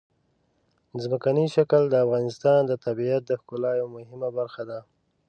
ځمکنی شکل د افغانستان د طبیعت د ښکلا یوه مهمه برخه ده.